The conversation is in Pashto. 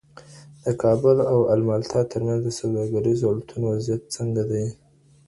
د کابل او الماتا ترمنځ د سوداګریزو الوتنو وضعیت څنګه دی؟